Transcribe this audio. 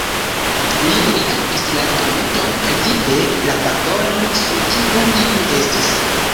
Li rigardis la dometon, precipe la balkonon, sur kiu iu estis.